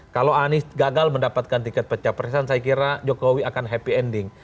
kalau anies gagal mendapatkan tiket pecah presiden saya kira jokowi akan happy ending